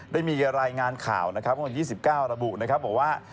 ได้มีรายงานข่าวนะครับ๒๙ระบุนะครับบอกว่า